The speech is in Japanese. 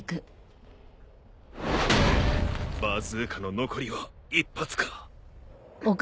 バズーカの残りは１発か。